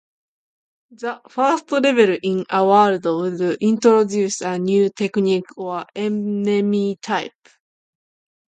The first level in a world would introduce a new technique or enemy type.